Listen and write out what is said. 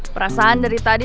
perasaan dari tadi